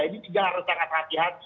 ini juga harus sangat hati hati